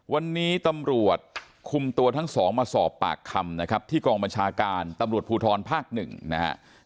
วันนี้ตำรวจคุมตัวทั้งสองมาสอบปากคำนะครับที่กองบัญชาการตำรวจภูทรภาคหนึ่งนะครับ